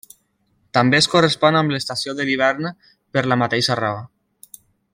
També es correspon amb l'estació de l'hivern per la mateixa raó.